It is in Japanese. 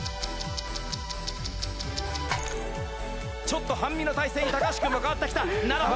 ちょっと半身な体勢に橋君が変わってきた。